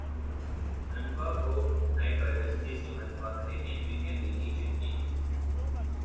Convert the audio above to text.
Trinbago Knight riders تیسری مرتبہ Caribbean premier league کی چیمپیئن